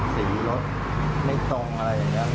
สีรถไม่ตรงอะไรอย่างนี้